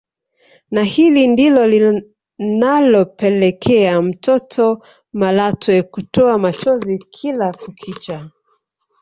Na hili ndilo linalopelekea mtoto Malatwe kutoa machozi kila kukicha